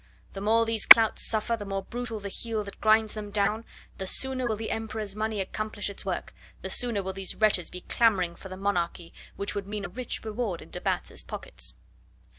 The more these clouts suffer, the more brutal the heel that grinds them down, the sooner will the Emperor's money accomplish its work, the sooner will these wretches be clamoring for the monarchy, which would mean a rich reward in de Batz' pockets.